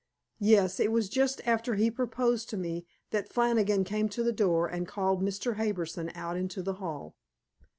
Yes, it was just after he proposed to me that Flannigan came to the door and called Mr. Harbison out into the hall.